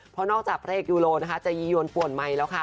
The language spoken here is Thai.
เพราะนอกจากภาพแรกยูโรนะคะจะยียวนปวดใหม่แล้วค่ะ